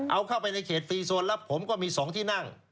เอาเข้าไปในเขตฟรีโซนแล้วผมก็มี๒ที่นั่ง